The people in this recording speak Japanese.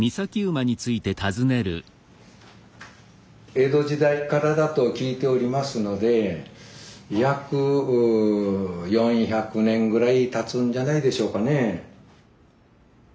江戸時代からだと聞いておりますので約４００年ぐらいたつんじゃないでしょうかね。